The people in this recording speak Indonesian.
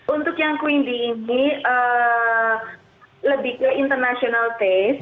untuk yang queen d ini lebih ke international taste